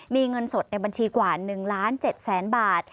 มีเงินสดในบัญชีกว่า๑๗๐๐๐๐๐บาท